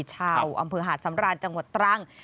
ชาวอำเภอหาดสำราญจังหวัดตรัง